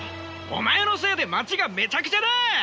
お前のせいで街がめちゃくちゃだ！